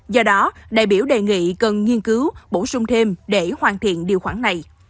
do đó đại biểu đề nghị cần nghiên cứu bổ sung thêm để hoàn thiện điều khoản này